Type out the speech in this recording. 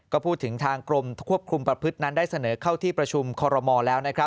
ก็พูดถึงทางกรมควบคุมประพฤตินั้นได้เสนอเข้าที่ประชุมคอรมอลแล้ว